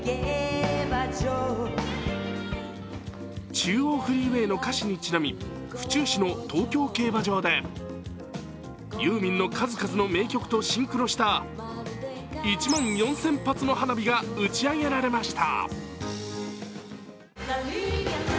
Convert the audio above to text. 「中央フリーウェイ」の歌詞にちなみ、府中市の東京競馬場でユーミンの数々の名曲とシンクロした１万４０００発の花火が打ち上げられました。